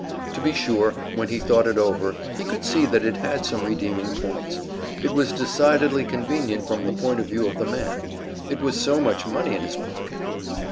To be sure, when he thought it over, he could see that it had some redeeming points; it was decidedly convenient from the point of view of the man; it was so much money in his pocket.